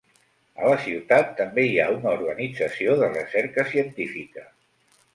A la ciutat també hi ha una organització de recerca científica.